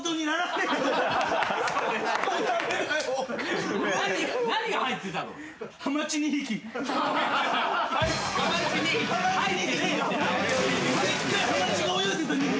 でっかいハマチが泳いでた２匹。